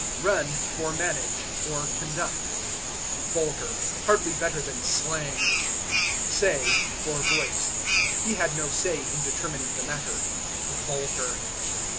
Run for Manage, or Conduct. Vulgar hardly better than slang. Say for Voice. "He had no say in determining the matter." Vulgar.